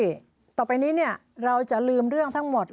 แล้วก็ในเรื่องที่ต่อไปเนี่ยเราจะลืมเรื่องทั้งหมด